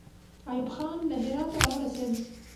ایوب خان له هراته راورسېد.